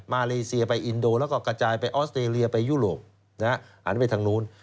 เลเซียไปอินโดแล้วก็กระจายไปออสเตรเลียไปยุโรปหันไปทางนู้น